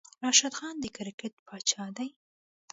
راشد خان د کرکیټ پاچاه دی